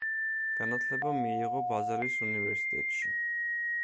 განათლება მიიღო ბაზელის უნივერსიტეტში.